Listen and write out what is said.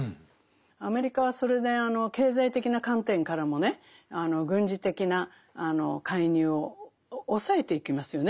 アメリカはそれであの経済的な観点からもね軍事的な介入を抑えていきますよね